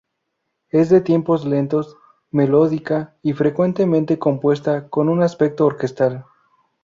Es de tiempos lentos, melódica y frecuentemente compuesta con un aspecto orquestal.